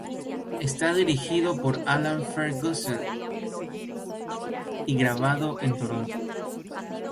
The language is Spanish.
Está dirigido por Alan Ferguson y grabado en Toronto.